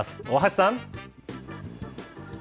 大橋さん。